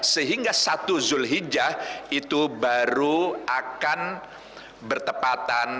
sehingga satu zulhijjah itu baru akan bertepatan